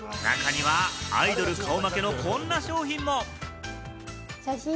中にはアイドル顔負けのこんな商品も。